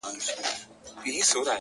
او دده اوښكي لا په شړپ بهيدې _